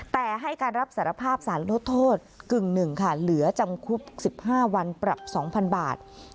แต่ให้การรับสารภาพสารลดโทษกึ่งหนึ่งค่ะเหลือจำคุก๑๕วันปรับ๒๐๐๐บาท